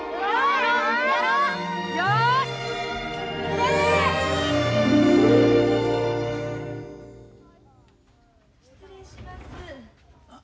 ・失礼します。